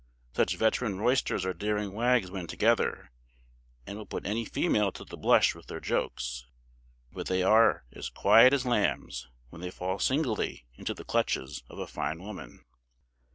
Such veteran roisters are daring wags when together, and will put any female to the blush with their jokes; but they are as quiet as lambs when they fall singly into the clutches of a fine woman.